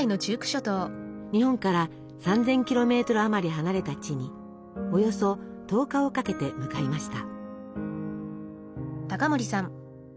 日本から３，０００ｋｍあまり離れた地におよそ１０日をかけて向かいました。